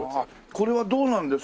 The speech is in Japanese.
これはどうなんですか？